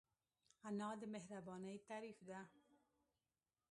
انا د مهربانۍ تعریف ده